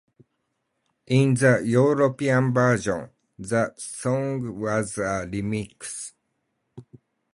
In the European version, the song was a remix.